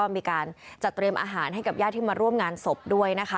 มีการจัดเตรียมอาหารให้กับญาติที่มาร่วมงานศพด้วยนะคะ